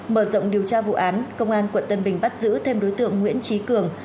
mở rộng điều tra vụ án công an quận tân bình bắt giữ thêm đối tượng nguyễn trí cường